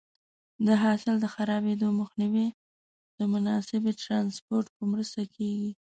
د حاصل د خرابېدو مخنیوی د مناسبې ټرانسپورټ په مرسته کېږي.